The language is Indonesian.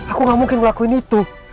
aku gak mungkin ngelakuin itu